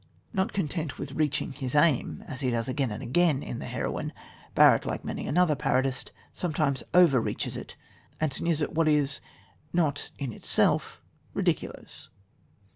Not content with reaching his aim, as he does again and again in The Heroine, Barrett, like many another parodist, sometimes over reaches it, and sneers at what is not in itself ridiculous.